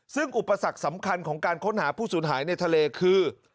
ซึ่งอุปสรรคสำคัญของการค้นหาผู้สูญหายในทะเลคือ